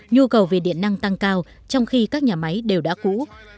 nhu cầu về điện năng tăng cao trong khi các nhà máy đều đã cũ